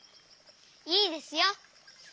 いいですよ。